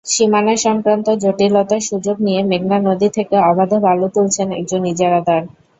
সীমানাসংক্রান্ত জটিলতার সুযোগ নিয়ে মেঘনা নদী থেকে অবাধে বালু তুলছেন একজন ইজারাদার।